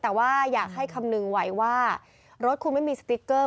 แต่ว่าอยากให้คำนึงไว้ว่ารถคุณไม่มีสติ๊กเกอร์